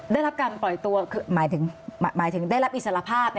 ได้รับการปล่อยตัวหมายถึงได้รับอิสระภาพ